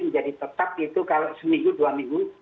menjadi tetap itu kalau seminggu dua minggu